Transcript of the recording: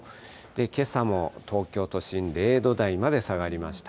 けさも東京都心、０度台まで下がりました。